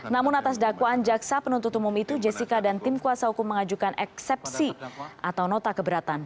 namun atas dakwaan jaksa penuntut umum itu jessica dan tim kuasa hukum mengajukan eksepsi atau nota keberatan